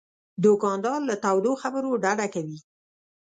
دوکاندار له تودو خبرو ډډه کوي.